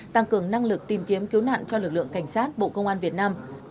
tăng cường năng lực tìm kiếm cứu nạn cho lực lượng cảnh sát bộ công an việt nam